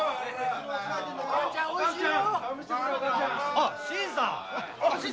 あッ新さん。